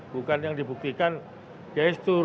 bukan yang dibuktikan gestur